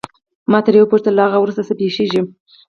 ما ترې وپوښتل له هغه وروسته څه پېښیږي.